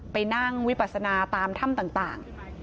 ไปนั่งวิปัสนาตามถ้ำต่าง